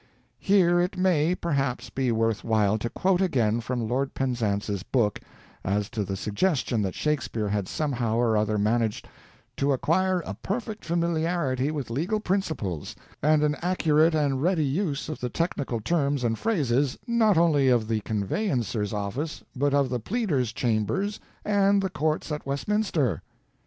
Here it may, perhaps, be worth while to quote again from Lord Penzance's book as to the suggestion that Shakespeare had somehow or other managed "to acquire a perfect familiarity with legal principles, and an accurate and ready use of the technical terms and phrases, not only of the conveyancer's office, but of the pleader's chambers and the Courts at Westminster."